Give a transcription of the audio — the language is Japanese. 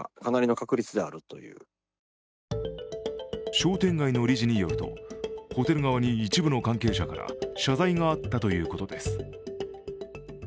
商店街の理事によるとホテル側に一部の関係者から謝罪があったということです。